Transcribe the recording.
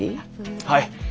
はい。